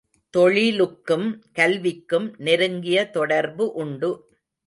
தொழிலுக்கும் கல்விக்கும் நெருங்கிய தொடர்பு உண்டு.